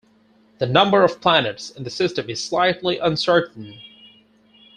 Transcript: The number of planets in the system is slightly uncertain.